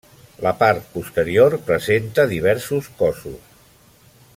La part posterior presenta diversos cossos.